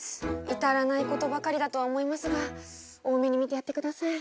至らないことばかりだとは思いますが大目に見てやってください。